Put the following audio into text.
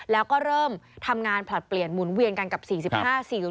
แล้วก็เริ่มทำงานผลัดเปลี่ยนหมุนเวียนกันกับ๔๕๔